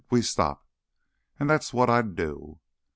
"We stop. And that's what I'd do."